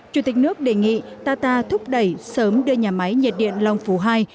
chủ tịch nước đề nghị tata thúc đẩy sớm đưa nhà máy nhiệt điện long phú ii